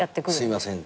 「すいません」